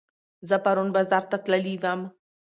زه پرون بازار ته تللي وم